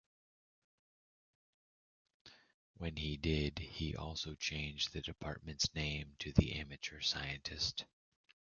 When he did, he also changed the department's name to The Amateur Scientist.